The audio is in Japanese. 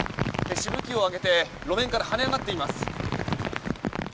しぶきを上げて路面から跳ね上がっています。